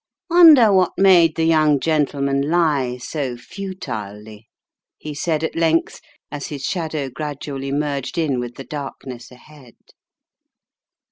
"Wonder what made the young gentleman lie so futilely?" he said at length as his shadow gradually merged in with the darkntss ahead.